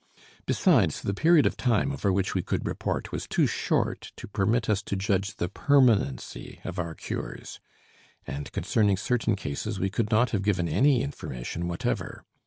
Besides, the period of time over which we could report was too short to permit us to judge the permanency of our cures, and concerning certain cases we could not have given any information whatever.